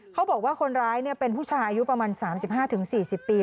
เขาบอกว่าคนร้ายเป็นผู้ชายอายุประมาณ๓๕๔๐ปี